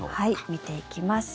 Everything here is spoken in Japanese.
見ていきます。